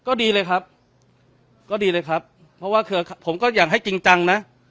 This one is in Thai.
ก็ดีเลยครับก็ดีเลยครับเพราะว่าคือผมก็อยากให้จริงจังนะ